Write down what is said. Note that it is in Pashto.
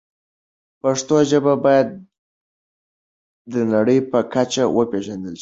پښتو ژبه باید د نړۍ په کچه وپیژندل شي.